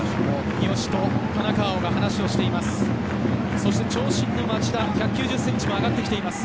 三好と田中碧が話をしています。